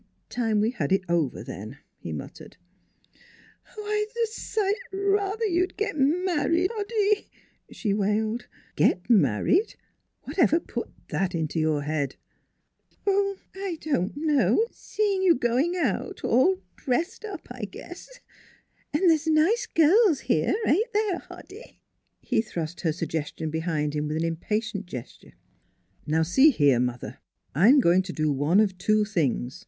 " Time we had it over, then," he muttered. " I'd a sight rather you'd get married, Hoddy," she wailed. "Get married? Whatever put that into your head?" " Oh, I don't know seeing you going out, all NEIGHBORS 213 dressed up, I guess. An' there's nice girls here, ain't there, Hoddy?" He thrust her suggestion behind him with an impatient gesture. " Now see here, mother. I'm going to do one of two things.